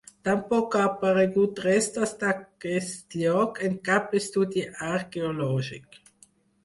Tampoc han aparegut restes d'aquest lloc en cap estudi arqueològic.